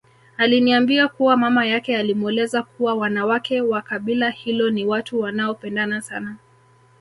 Aliniambia kuwa mama yake alimweleza kuwa wanawake wa kabila hilo ni watu wanaopendana sana